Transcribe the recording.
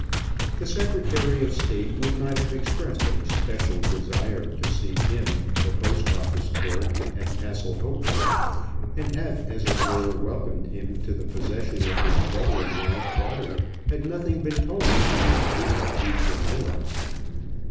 The Secretary of State would not have expressed a special desire to see him, the Post Office clerk, at Castle Hautboy, and have, as it were, welcomed him to the possession of his brother in law's daughter, had nothing been told of the Duca di Crinola.